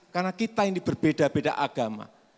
karena kita ini berbeda beda agama